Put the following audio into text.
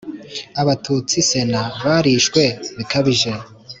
Abatutsi Sena barishwe bikabije.